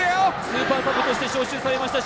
スーパーサブとして招集されました